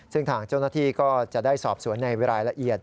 ซึ่งทางเจ้าหน้าที่ก็จะได้สอบสวนในรายละเอียด